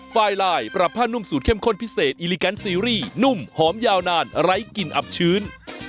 ไฟลายปรับผ้านุ่มสูตรเข้มข้นพิเศษอิลิแกนซีรีส์นุ่มหอมยาวนานไร้กลิ่นอับชื้น